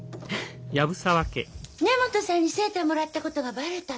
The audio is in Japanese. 根本さんにセーターもらったことがバレたっていうわけ？